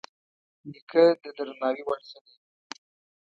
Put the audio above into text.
نیکه د درناوي وړ سړی وي.